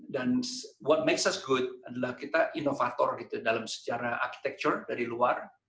dan what makes us good adalah kita inovator gitu dalam sejarah architecture dari luar